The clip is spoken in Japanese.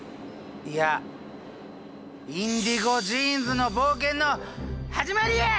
いや「インディゴ・ジーンズの冒険のはじまり」や！